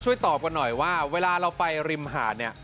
ตอบกันหน่อยว่าเวลาเราไปริมหาดเนี่ย